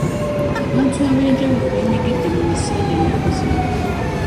Abantu ab'enjawulo beenyigidde mu misinde ennaku zino.